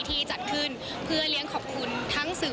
ที่ดูสิทธิ์